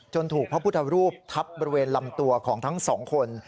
ถูกพระพุทธรูปทับบริเวณลำตัวของทั้งสองคน